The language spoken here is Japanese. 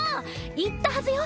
言ったはずよ